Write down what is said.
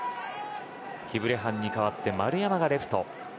キブレハンに代わって丸山がレフト。